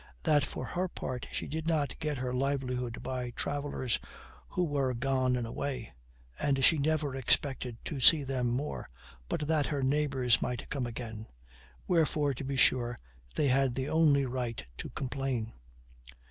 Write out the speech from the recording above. That for her part she did not get her livelihood by travelers, who were gone and away, and she never expected to see them more, but that her neighbors might come again; wherefore, to be sure, they had the only right to complain."